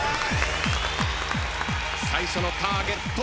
最初のターゲット。